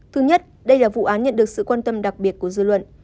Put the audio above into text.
thứ nhất đây là vụ án nhận được sự quan tâm đặc biệt của dư luận